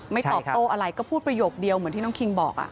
ตอบโต้อะไรก็พูดประโยคเดียวเหมือนที่น้องคิงบอก